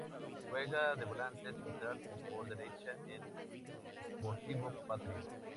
Juega de volante central o por derecha en Sportivo Patria.